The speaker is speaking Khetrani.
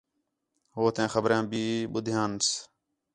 ہوتیاں خبریاں بھی ٻدھیانس